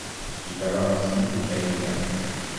Il va voir ensuite des Kalinga.